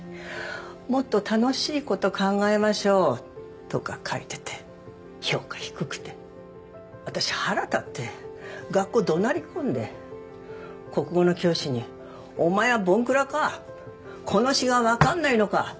もっと楽しいこと考えましょうとか書いてて評価低くて私腹立って学校どなり込んで国語の教師に「お前はぼんくらかこの詩がわかんないのか」